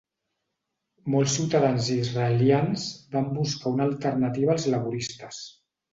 Molts ciutadans israelians van buscar una alternativa als laboristes.